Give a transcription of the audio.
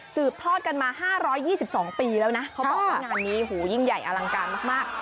ทอดกันมา๕๒๒ปีแล้วนะเขาบอกว่างานนี้หูยิ่งใหญ่อลังการมาก